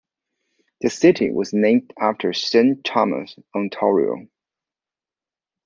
The city was named after Saint Thomas, Ontario.